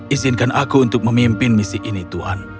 isinkan aku untuk memimpin misi ini tuan